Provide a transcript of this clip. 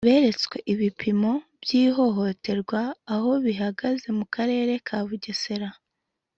beretswe ibipimo by’ihihoterwa aho bihagaze mu karere ka Bugesera